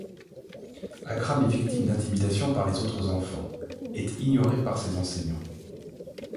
Akram est victime d'intimidations par les autres enfants, est ignorée par ses enseignants.